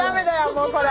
もうこれ。